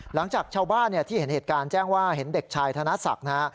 หลังจากชาวบ้านที่เห็นเหตุการณ์แจ้งว่าเห็นเด็กชายธนศักดิ์นะฮะ